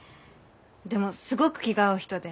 でもすごく気が合う人で。